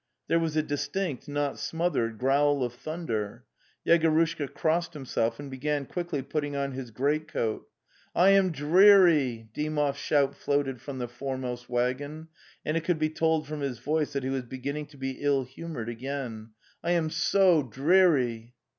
'There was a distinct, not smothered, growl of thunder. Yego rushka crossed himself and began quickly putting on his great coat. "Tam dreary!" Dymov's shout floated from the foremost waggon, and it could be told from his voice that he was beginning to be ill humoured again. "I am so dreary!"